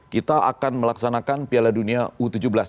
dua ribu dua puluh lima kita akan melaksanakan piala dunia u tujuh belas